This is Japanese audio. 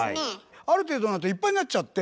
ある程度になるといっぱいになっちゃって。